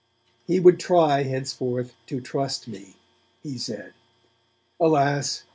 He would 'try henceforth to trust' me, he said. Alas!